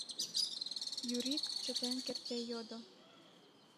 — Юрик чытен кертде йодо.